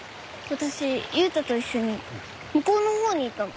私悠太と一緒に向こうのほうにいたの。